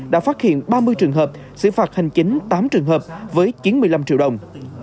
đã phát hiện ba mươi trường hợp xử phạt hành chính tám trường hợp với chín mươi năm triệu đồng